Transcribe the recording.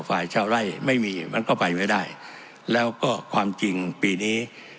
ฝ่ายชาวไร่ไม่มีมันก็ไปไม่ได้แล้วก็ความจริงปีนี้